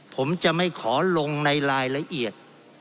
ผมจะไม่ขอลงในรายละเอียด